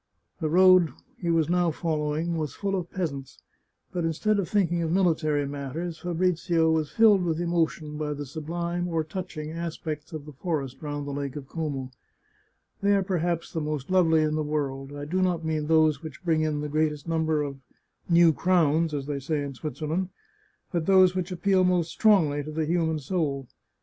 The road he was now following was full of peasants, but instead of thinking of military matters, Fabrizio was filled with emo tion by the sublime or touching aspects of the forest round the Lake of Como. They are perhaps the most lovely in the world. I do not mean those which bring in the great est number of " new crowns," as they say in Switzerland, but those which appeal most strongly to the human soul.